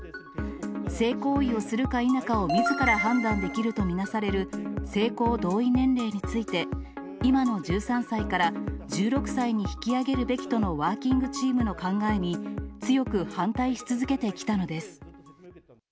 性行為をするか否かをみずから判断できると見なされる、性交同意年齢について、今の１３歳から１６歳に引き上げるべきとのワーキングチームの考えに、強く反対し続けてきたのです。